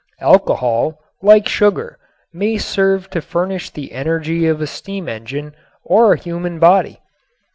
Alcohol, like sugar, may serve to furnish the energy of a steam engine or a human body.